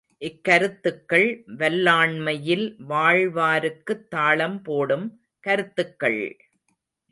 இக்கருத்துக்கள் வல்லாண்மையில் வாழ்வாருக்குத் தாளம் போடும் கருத்துக்கள்!